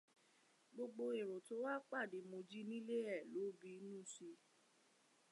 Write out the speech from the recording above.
Gbogbo èrò tó wá pàdé Mojí nílé ẹ̀ ló bínú síi.